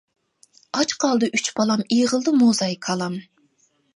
ئاچ قالدى ئۇچ بالام ئېغىلدا موزاي-كالام.